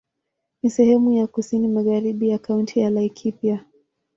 Ni sehemu ya kusini magharibi ya Kaunti ya Laikipia.